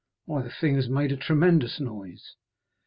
Why, the thing has made a tremendous noise."